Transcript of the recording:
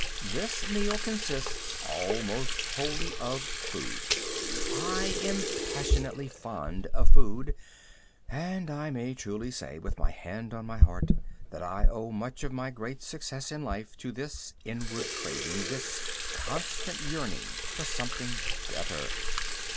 This meal consists almost wholly of food. I am passionately fond of food, and I may truly say, with my hand on my heart, that I owe much of my great success in life to this inward craving, this constant yearning for something better.